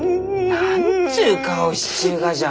何ちゅう顔しちゅうがじゃ。